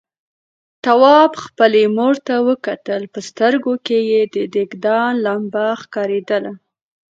تواب خپلې مور ته وکتل، په سترګوکې يې د دېګدان لمبه ښکارېدله.